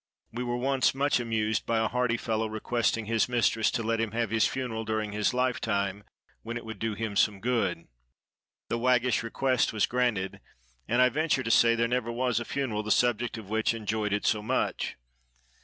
We were once much amused by a hearty fellow requesting his mistress to let him have his funeral during his lifetime, when it would do him some good. The waggish request was granted; and I venture to say there never was a funeral the subject of which enjoyed it so much.